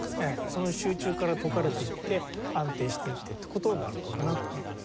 その集中から解かれていって安定していってって事になるのかなと思います。